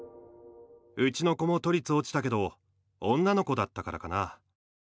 うちの子も都立落ちたけど女の子だったからかな？